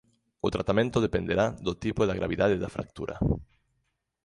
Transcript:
O tratamento dependerá do tipo e da gravidade da fractura.